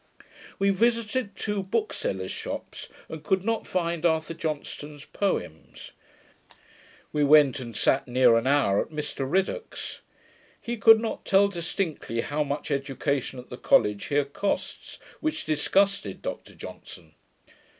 We visited two booksellers' shops, and could not find Arthur Johnston's Poems. We went and sat near an hour at Mr Riddoch's. He could not tell distinctly how much education at the college here costs, which disgusted Dr Johnson.